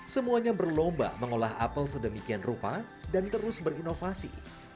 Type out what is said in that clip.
semuanya berlomba mengolah apel sedemikian rupa dan terus berinovasi